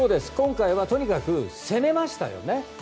今回はとにかく攻めましたよね。